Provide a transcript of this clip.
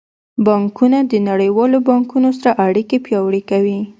بانکونه د نړیوالو بانکونو سره اړیکې پیاوړې کوي.